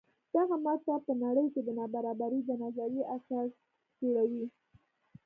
دغه ماته په نړۍ کې د نابرابرۍ د نظریې اساس جوړوي.